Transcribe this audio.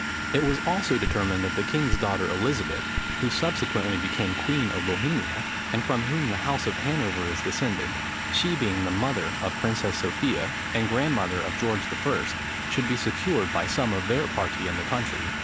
It was also determined that the king's daughter Elizabeth, who subsequently became queen of Bohemia, and from whom the house of Hanover is descended, she being the mother of the Princess Sophia, and grandmother of George I., should be secured by some of their party in the country.